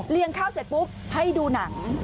ข้าวเสร็จปุ๊บให้ดูหนัง